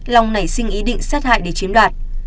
long nảy sinh ý định sát hại để chiếm đoạt